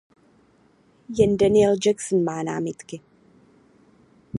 Jen Daniel Jackson má námitky.